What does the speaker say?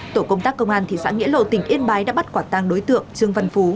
tổ công tác công an thị xã nghĩa lộ tỉnh yên bái đã bắt quả tăng đối tượng trương văn phú